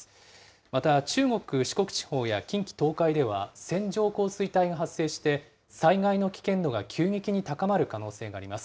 また中国、四国地方や近畿、東海では線状降水帯が発生して、災害の危険度が急激に高まる可能性があります。